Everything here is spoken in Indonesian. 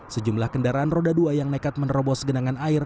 sejumlah kendaraan roda dua yang nekat menerobos genangan air